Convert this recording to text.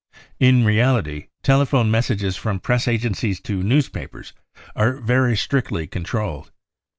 In reality telephone messages from press agencies to newspapers are very strictly controlled.